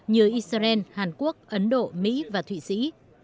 như israel hàn quốc ấn độ mỹ và thụy sĩ